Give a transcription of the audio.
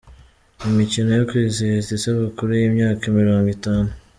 Imikino yo kwizihiza isabukuru y’imyaka mirongo itanu